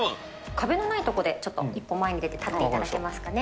壁のないところでちょっと一歩前に出て立っていただけますかね。